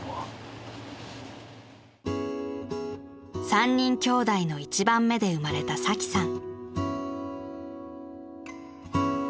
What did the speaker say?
［３人きょうだいの一番目で生まれたサキさん］